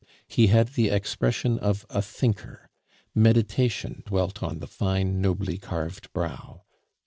He had the expression of a thinker, meditation dwelt on the fine nobly carved brow.